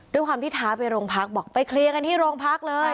ด้วยความที่ท้าไปโรงพักบอกไปเคลียร์กันที่โรงพักเลย